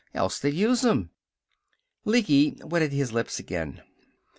Else they'd use 'em." Lecky wetted his lips again.